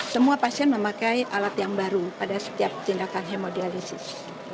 semua pasien memakai alat yang baru pada setiap tindakan hemodialisis